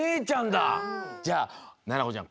じゃあななこちゃん